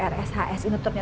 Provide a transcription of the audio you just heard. tidak mengerti apa apa